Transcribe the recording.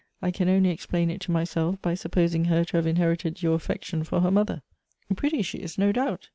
" I can only explain it to myself by sup posing her to have inherited your affection for her mother. Pretty she is, no doubt.